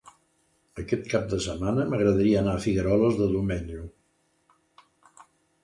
Aquest cap de setmana m'agradaria anar a Figueroles de Domenyo.